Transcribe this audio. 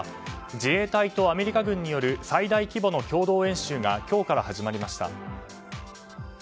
自衛隊とアメリカ軍による最大規模の共同演習が今日から始まりました。